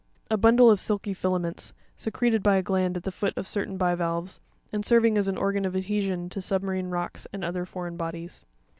A bundle of silky fila ments, secreted by a gland at the foot of certain bivalves, and serv ing as an organ of adhesion to submarine rocks and other foreign bodies.